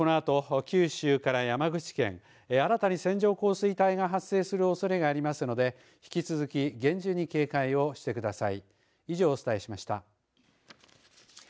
このあと、九州から山口県新たに線状降水帯が発生するおそれがありますので引き続き厳重に警戒をしてください。